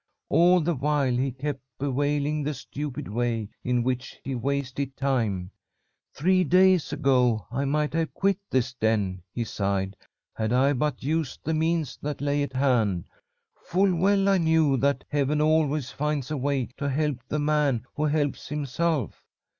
All the while he kept bewailing the stupid way in which he wasted time. 'Three days ago I might have quit this den,' he sighed, 'had I but used the means that lay at hand. Full well I knew that heaven always finds a way to help the man who helps himself.